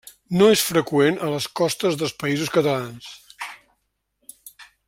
No és freqüent a les costes dels Països Catalans.